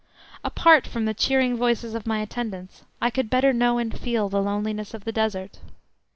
Apart from the cheering voices of my attendants I could better know and feel the loneliness of the Desert.